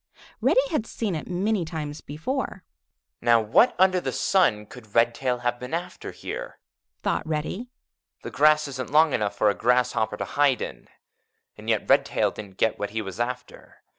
Reddy had seen it many times before. "Now what under the sun could Redtail have been after here?" thought Reddy. "The grass isn't long enough for a grasshopper to hide in, and yet Redtail didn't get what he was after.